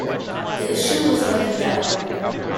The issue was not in doubt.